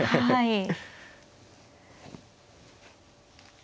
はい。